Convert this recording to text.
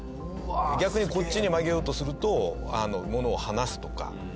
逆にこっちに曲げようとすると物を離すとか。